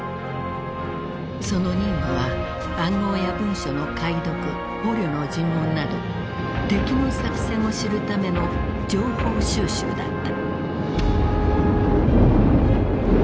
その任務は暗号や文書の解読捕虜の尋問など敵の作戦を知るための情報収集だった。